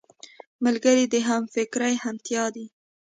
ملګری د همفکرۍ همتيا دی